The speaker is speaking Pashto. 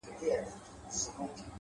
o ټولي دنـيـا سره خــبري كـــوم؛